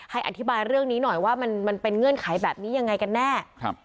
อธิบายเรื่องนี้หน่อยว่ามันเป็นเงื่อนไขแบบนี้ยังไงกันแน่